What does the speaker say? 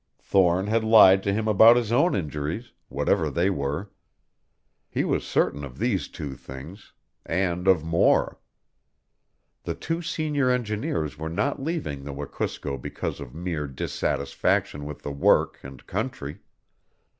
Thorne had lied to him about his own injuries, whatever they were. He was certain of these two things and of more. The two senior engineers were not leaving the Wekusko because of mere dissatisfaction with the work and country.